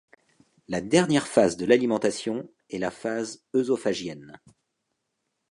La dernière phase de l'alimentation est la phase œsophagienne.